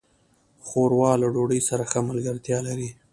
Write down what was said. ښوروا له ډوډۍ سره ښه ملګرتیا لري.